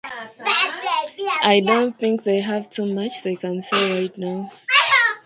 I don't think they have too much they can say right now.